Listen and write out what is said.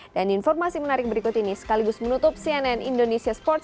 dan informasi menarik berikut ini sekaligus menutup cnn indonesia sports